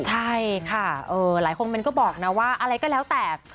ใช่ค่ะหลายคอมเมนต์ก็บอกนะว่าอะไรก็แล้วแต่